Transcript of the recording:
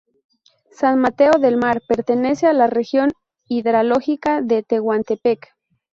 San Mateo del Mar pertenece a la región hidrológica de Tehuantepec.